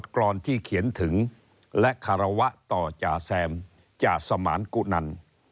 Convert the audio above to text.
กรอนที่เขียนถึงและคารวะต่อจ่าแซมจ่าสมานกุนัน